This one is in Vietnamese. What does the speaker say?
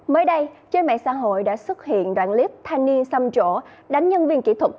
mới đây trên mạng xã hội đã xuất hiện đoạn clip thanh niên xăm chỗ đánh nhân viên kỹ thuật